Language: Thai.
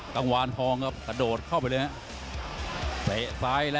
ขนาดที่เตะซ้าย